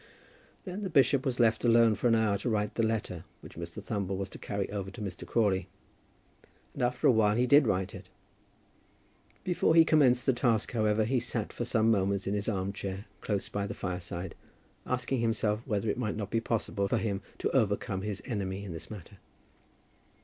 Then the bishop was left alone for an hour to write the letter which Mr. Thumble was to carry over to Mr. Crawley, and after a while he did write it. Before he commenced the task, however, he sat for some moments in his arm chair close by the fire side, asking himself whether it might not be possible for him to overcome his enemy in this matter.